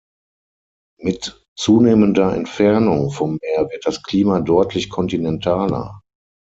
Mit zunehmender Entfernung vom Meer wird das Klima deutlich kontinentaler.